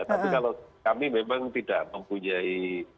tapi kalau kami memang tidak mempunyai